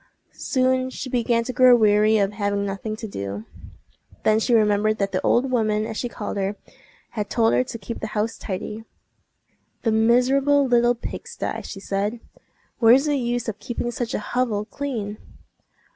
Soon she began to grow weary of having nothing to do. Then she remembered that the old woman, as she called her, had told her to keep the house tidy. "The miserable little pig sty!" she said. "Where's the use of keeping such a hovel clean!"